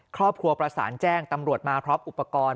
ครอบครัวประสานแจ้งตำรวจมาพร้อมอุปกรณ์